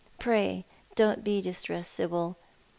Pray don't be distressed, Sibyl.